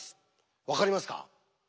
わかりますか？